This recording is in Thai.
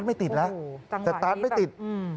ทำไมคงคืนเขาว่าทำไมคงคืนเขาว่า